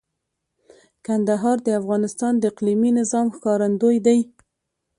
کندهار د افغانستان د اقلیمي نظام ښکارندوی دی.